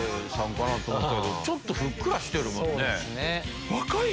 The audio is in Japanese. ちょっとふっくらしてるもんね。